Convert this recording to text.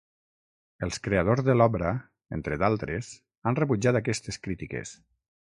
Els creadors de l'obra, entre d'altres, han rebutjat aquestes crítiques.